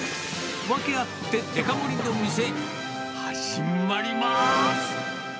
ワケあってデカ盛りの店、始まります。